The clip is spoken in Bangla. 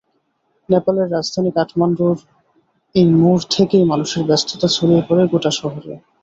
নেপালের রাজধানী কাঠমান্ডুর এই মোড় থেকেই মানুষের ব্যস্ততা ছড়িয়ে পড়ে গোটা শহরে।